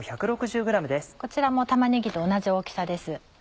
こちらも玉ねぎと同じ大きさです。